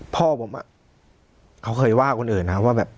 พ่อผมเขาเคยว่าคนอื่นนะว่าแบบ